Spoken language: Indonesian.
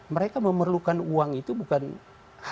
mereka memerlukan uang itu bukan hanya untuk berusaha